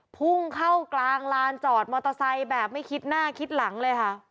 พุ่งเข้ากลางลานจอดมอเตอร์ไซค์แบบไม่คิดหน้าคิดหลังเลยค่ะ